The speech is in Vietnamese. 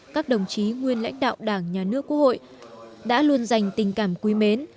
các đồng chí nguyên lãnh đạo đảng nhà nước quốc hội đã luôn dành tình cảm quý mến